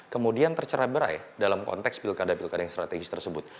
kemudian tercerai berai dalam konteks pilkada pilkada yang strategis tersebut